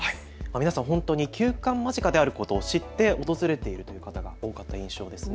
皆さん本当に休館間近であることを知って訪れているという方が多かった印象です。